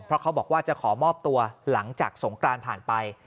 เพราะเขาบอกว่าจะขอมอบตัวหลังจากสงกรานผ่านไป